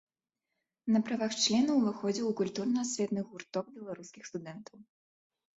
На правах члена ўваходзіў у культурна-асветны гурток беларускіх студэнтаў.